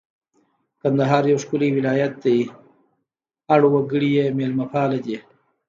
کندهار یو ښکلی ولایت دی اړ وګړي یې مېلمه پاله دي